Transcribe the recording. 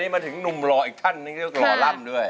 มาถึงหนุ่มหล่ออีกท่านหนึ่งเรื่องหล่อล่ำด้วย